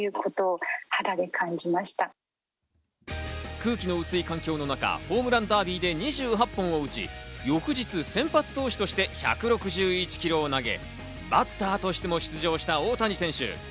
空気の薄い環境の中、ホームランダービーで２８本を打ち、翌日先発投手として１６１キロを投げ、バッターとしても出場した大谷選手。